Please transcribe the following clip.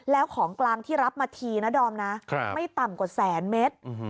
แล้วของกลางที่รับมาทีนะดอมนะไม่ต่ำกว่าแสนเมตร